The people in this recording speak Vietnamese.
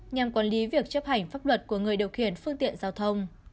nhằm quản lý việc chấp hành pháp luật của người điều khiển phương tiện giao thông